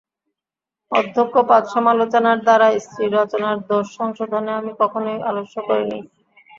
অপক্ষপাত সমালোচনার দ্বারা স্ত্রীর রচনার দোষ সংশোধনে আমি কখনোই আলস্য করি নাই।